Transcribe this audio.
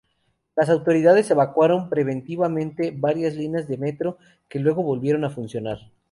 Las autoridades evacuaron preventivamente varias líneas de metro, que luego volvieron a funcionar.